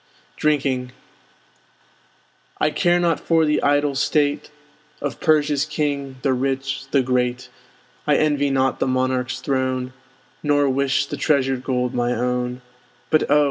DRINKING I care not for the idle state Of Persia's king, the rich, the great! I envy not the monarch's throne, Nor wish the treasured gold my own. But oh!